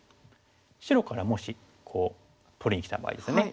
白からもしこう取りにきた場合ですよね。